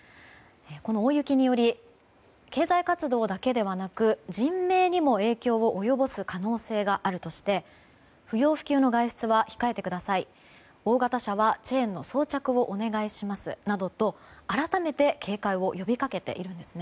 この大雪により経済活動だけではなく人命にも影響を及ぼす可能性があるとして不要不急の外出は控えてください大型車はチェーンの装着をお願いしますなどと改めて警戒を呼びかけているんですね。